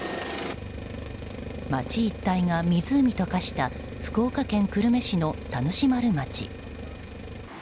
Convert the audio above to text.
町一帯が湖と化した福岡県久留米市の田主丸町。